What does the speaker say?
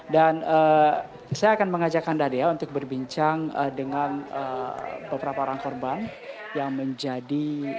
dan saya akan mengajakkan dadea untuk berbincang dengan beberapa orang korban yang menjadi